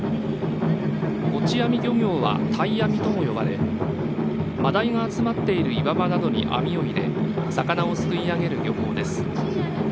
五智網漁業は鯛網とも呼ばれマダイが集まっている岩場などに網を入れ魚をすくい上げる漁法です。